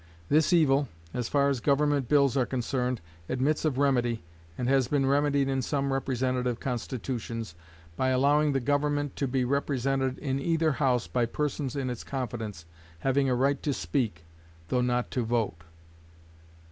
This evil, as far as government bills are concerned, admits of remedy, and has been remedied in some representative constitutions, by allowing the government to be represented in either House by persons in its confidence, having a right to speak, though not to vote.